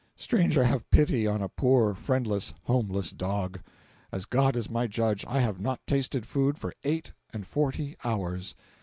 Stranger have pity on a poor friendless, homeless dog! As God is my judge, I have not tasted food for eight and forty hours!